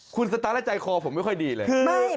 คุณสตั๊นได้ใจขอผมไม่ค่อยดีเลย